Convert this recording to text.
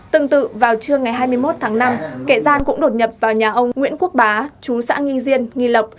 tương tự vào trưa ngày hai mươi một tháng năm kẻ gian cũng đột nhập vào nhà ông nguyễn quốc bá chú xã nghi diên nghi lộc